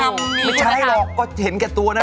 แล้วคุณพูดกับอันนี้ก็ไม่รู้นะผมว่ามันความเป็นส่วนตัวซึ่งกัน